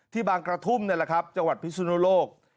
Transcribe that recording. บางกระทุ่มนี่แหละครับจังหวัดพิสุนโลก